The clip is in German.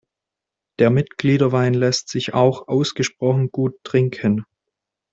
Der Mitgliederwein lässt sich auch ausgesprochen gut trinken.